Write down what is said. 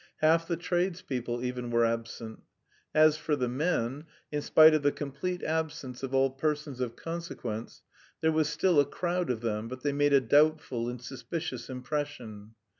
Half the tradespeople even were absent. As for the men, in spite of the complete absence of all persons of consequence, there was still a crowd of them, but they made a doubtful and suspicious impression.